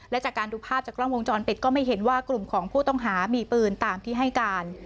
และจากการดูภาพจากกล้องวงจรปิดก็ไม่เห็นว่ากลุ่มของผู้ต้องหามีปืนตามที่ให้การ